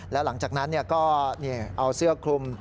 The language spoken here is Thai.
แล้วหลังจากนั้นก็เอาเสื้อคลุม